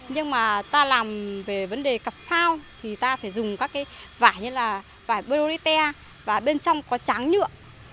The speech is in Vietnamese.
nhưng mà ta làm về vấn đề cặp phao thì ta phải dùng các loại như là loại polyurethane và bên trong có tráng nhựa